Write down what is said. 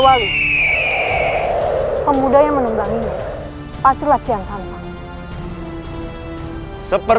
saya akan menjaga kebenaran raden